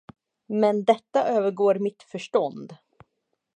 Men detta övergår mitt förstånd.